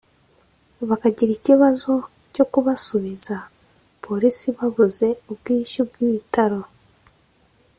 bakagira ikibazo cyo kubasubiza Polisi babuze ubwishyu bw’ibitaro